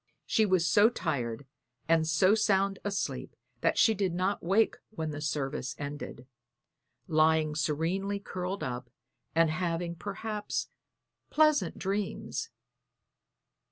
She was so tired and so sound asleep that she did not wake when the service ended, lying serenely curled up, and having perhaps pleasant dreams.